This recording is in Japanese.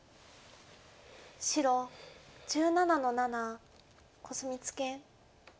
白１７の七コスミツケ。